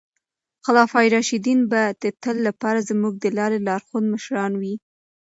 خلفای راشدین به د تل لپاره زموږ د لارې لارښود مشران وي.